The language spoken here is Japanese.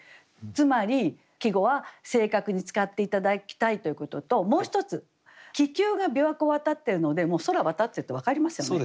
つまり季語は正確に使って頂きたいということともう一つ気球が琵琶湖をわたってるので空わたってるって分かりますよね。